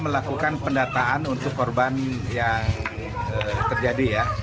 melakukan pendataan untuk korban yang terjadi ya